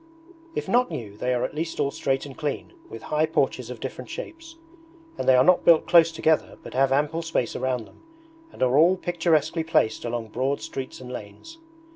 If not new they are at least all straight and clean, with high porches of different shapes; and they are not built close together but have ample space around them, and are all picturesquely placed along broad streets and lanes.